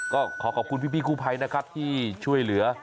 ก็ขอขอบคุณพี่กู้ภัยนะครับที่ช่วยเหลือ